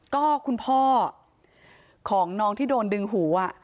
ก็คุณพ่อของน้องที่โดนดึงหู